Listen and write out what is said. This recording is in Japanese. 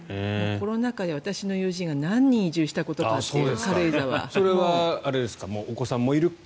コロナ禍で私の友人が何人移住したことかという。